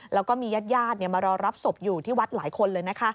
แล้วก็มีญาติมารอรับศพอยู่ที่วัดหลายคนเลยนะคะ